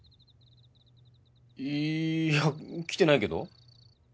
いや来てないけど。